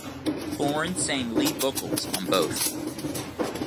Thorn sang lead vocals on both.